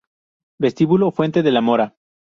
Vestíbulo Fuente de la Mora